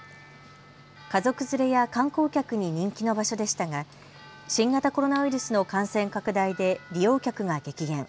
家族連れや観光客に人気の場所でしたが新型コロナウイルスの感染拡大で利用客が激減。